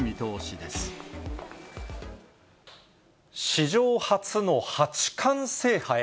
史上初の八冠制覇へ。